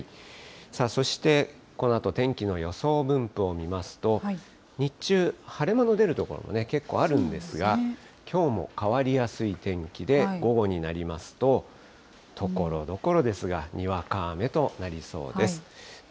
さあそして、このあと天気の予想分布を見ますと、日中、晴れ間の出る所も結構あるんですが、きょうも変わりやすい天気で、午後になりますと、ところどころですが、にわか雨となりそうです。